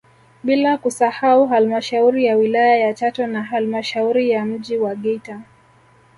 Blia kusahau halmashauri ya wilaya ya Chato na halmasahauri ya mji wa Geita